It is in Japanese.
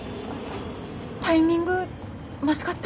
タイミングまずかった？